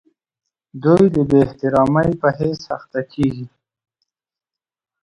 دوی د بې احترامۍ په حس اخته کیږي.